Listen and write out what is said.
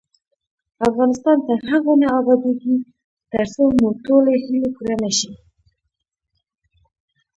افغانستان تر هغو نه ابادیږي، ترڅو مو ټولې هیلې پوره نشي.